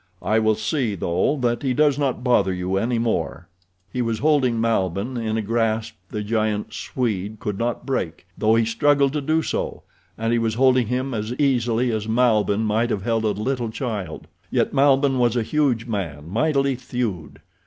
I will see, though, that he does not bother you any more." He was holding Malbihn in a grasp the giant Swede could not break, though he struggled to do so, and he was holding him as easily as Malbihn might have held a little child, yet Malbihn was a huge man, mightily thewed.